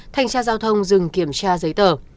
thanh tra giao thông dừng kiểm tra giấy tờ